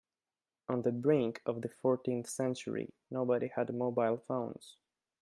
On the brink of the fourteenth century, nobody had mobile phones.